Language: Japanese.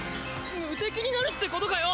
無敵になるってことかよ！？